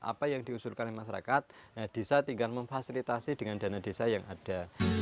apa yang diusulkan oleh masyarakat desa tinggal memfasilitasi dengan dana desa yang ada